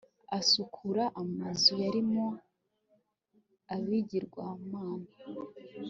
asukura amazu yarimo ibigirwamana